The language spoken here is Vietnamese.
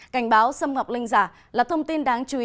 cảnh báo xâm ngọc linh giả là thông tin đáng chú ý